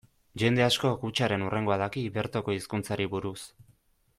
Jende askok hutsaren hurrengoa daki bertoko hizkuntzari buruz.